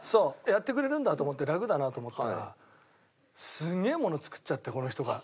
やってくれるんだと思って楽だなと思ったらすげえもの作っちゃってこの人が。